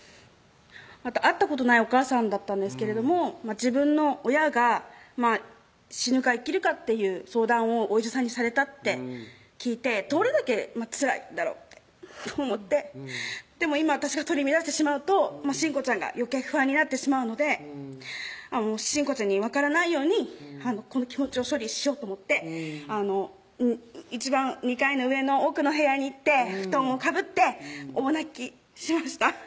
会ったことないおかあさんだったんですけれども自分の親が死ぬか生きるかっていう相談をお医者さんにされたって聞いてどれだけつらいんだろうと想ってでも今私が取り乱してしまうと真子ちゃんがよけい不安になってしまうので真子ちゃんに分からないようにこの気持ちを処理しようと想って一番２階の上の奥の部屋に行って布団をかぶって大泣きしました